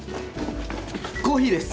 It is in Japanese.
コーヒーです。